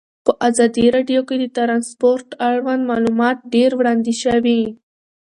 په ازادي راډیو کې د ترانسپورټ اړوند معلومات ډېر وړاندې شوي.